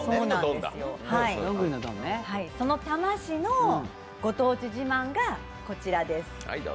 その多摩市のご当地自慢がこちらです。